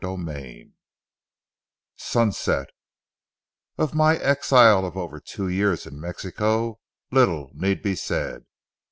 CHAPTER XXII SUNSET Of my exile of over two years in Mexico, little need be said.